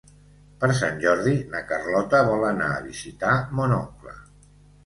Per Sant Jordi na Carlota vol anar a visitar mon oncle.